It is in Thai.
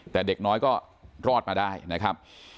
แต่เด็กน้อยก็รอดมาได้นะครับ